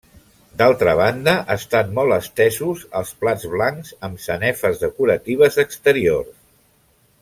D'altra banda, estan molt estesos els plats blancs amb sanefes decoratives exteriors.